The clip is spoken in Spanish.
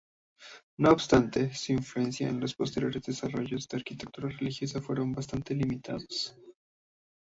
No obstante, su influencia en los posteriores desarrollos de arquitectura religiosa fueron bastante limitados.